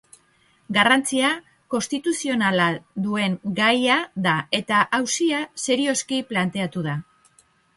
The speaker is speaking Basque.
Garrantzia konstituzionala duen gaia da eta auzia serioski planteatu da.